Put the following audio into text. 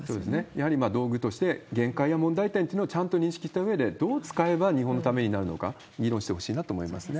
やはり道具として、限界や問題点というのをちゃんと認識したうえで、どう使えば日本のためになるのか、議論してほしいなと思いますね。